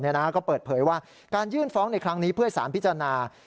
ก็เปิดเผยว่าการยื่นฟ้องในครั้งนี้เพื่อให้สารพิจารณา